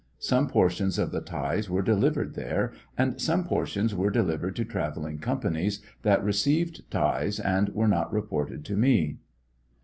Some portion of the tithes were delivered there, and some portions were delivered to travelling companies that received tithes, and were not reported to me.